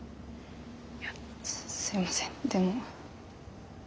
いやすいませんでも。